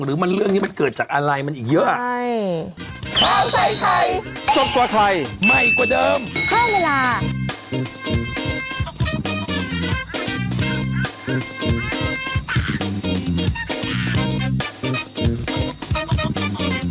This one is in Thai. หรือมันเรื่องนี้มันเกิดจากอะไรมันอีกเยอะ